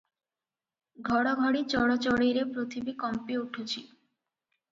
ଘଡ଼ଘଡ଼ି ଚଡ଼ଚଡ଼ିରେ ପୃଥିବୀ କମ୍ପି ଉଠୁଛି ।